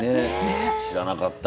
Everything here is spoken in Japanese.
知らなかった。